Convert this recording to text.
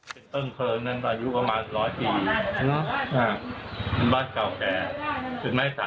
ก็ไม่ได้ยินเสียงต่อมาเลยผมก็คาดใจว่า